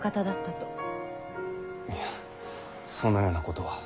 いやそのようなことは。